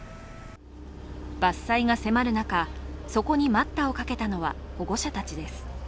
伐採が迫る中、そこに待ったをかけたのは保護者たちです。